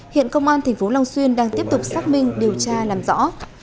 hiện công an tp long xuyên đang tiếp tục xác minh điều tra làm rõ